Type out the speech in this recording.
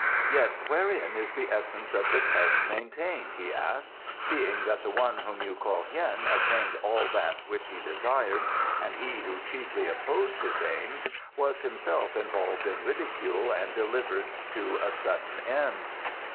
"Yet wherein is the essence of the test maintained," he asked, "seeing that the one whom you call Hien obtained all that which he desired and he who chiefly opposed his aims was himself involved in ridicule and delivered to a sudden end?"